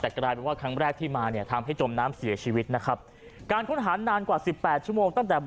ให้หนามด้วยว่าครั้งแรกที่มาเนี่ยอะไรทำมาหนากแล้ว